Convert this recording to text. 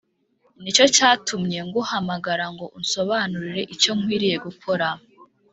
ni cyo cyatumye nguhamagara ngo unsobanurire icyo nkwiriye gukora